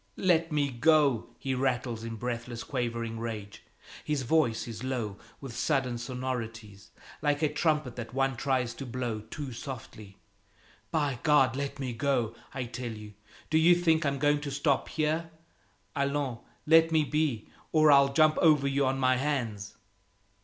"Let me go!" he rattles in breathless, quavering rage. His voice is low, with sudden sonorities, like a trumpet that one tries to blow too softly. "By God, let me go, I tell you! Do you think I'm going to stop here? Allons, let me be, or I'll jump over you on my hands!"